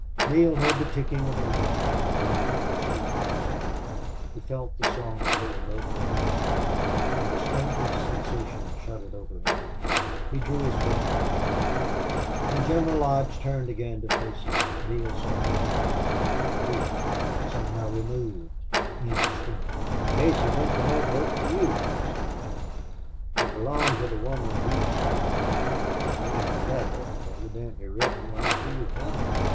Neale heard the ticking of a watch and the murmur of the street outside. He felt the soft little note book in his hand. And the strangest sensation shuddered over him. He drew his breath sharply. When General Lodge turned again to face him, Neale saw him differently aloof, somehow removed, indistinct. "Casey meant that note book for you," said the general, "It belonged to the woman, Beauty Stanton. It contained a letter, evidently written while she was dying....